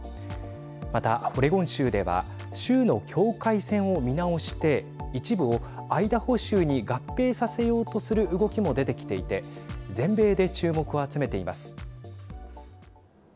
またオレゴン州では州の境界線を見直して一部をアイダホ州に合併させようとする動きも出てきていて全米で注目を集めています。